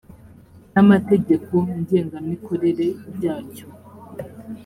n’ amategeko ngengamikorere byacyo